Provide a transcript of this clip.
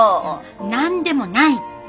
何でもないって。